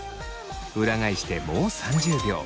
裏返してもう３０秒。